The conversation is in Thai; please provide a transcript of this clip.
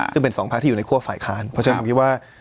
ซึ่งเป็นสองพักที่อยู่ในคั่วฝ่ายค้านเพราะฉะนั้นผมคิดว่า